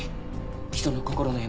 人の心の闇。